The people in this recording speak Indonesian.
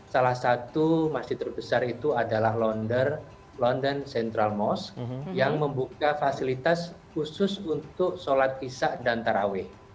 salah satu masjid terbesar itu adalah london central most yang membuka fasilitas khusus untuk sholat isya dan taraweh